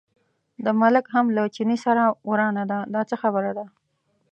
د ملک هم له چیني سره ورانه ده، دا څه خبره ده.